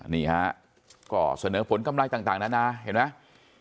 นี่ครับก็เสนอผลกำไรต่างนั้นนะเห็นไหม